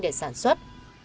để sản xuất